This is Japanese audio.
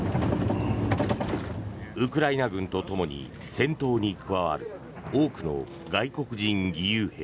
ウクライナ軍とともに戦闘に加わる多くの外国人義勇兵。